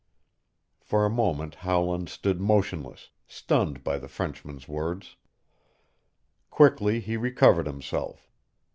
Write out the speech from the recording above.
For a moment Howland stood motionless, stunned by the Frenchman's words. Quickly he recovered himself.